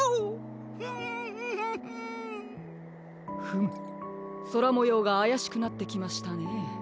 フムそらもようがあやしくなってきましたね。